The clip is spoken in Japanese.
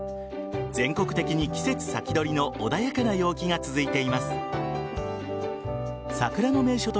全国的に季節先取りの穏やかな陽気が続いています。